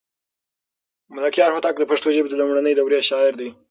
ملکیار هوتک د پښتو ژبې د لومړنۍ دورې شاعر دی.